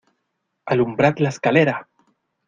¡ alumbrad la escalera!...